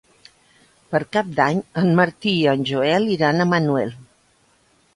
Per Cap d'Any en Martí i en Joel iran a Manuel.